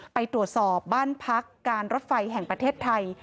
ไปตรวจสอบบ้านพักการรถไฟแห่งประเทศไทย